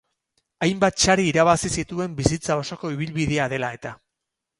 Hainbat sari irabazi zituen bizitza osoko ibilbidea dela eta.